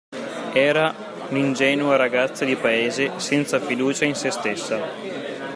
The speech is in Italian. Era un'ingenua ragazza di paese senza fiducia in se stessa.